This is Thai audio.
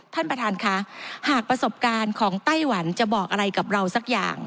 ท่านประธานค่ะหากประสบการณ์ของไต้หวันจะบอกอะไรกับเราสักอย่าง